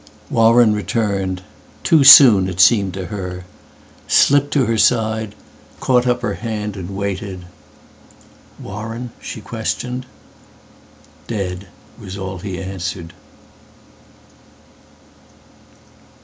Warren returned—too soon, it seemed to her, Slipped to her side, caught up her hand and waited."Warren," she questioned."Dead," was all he answered.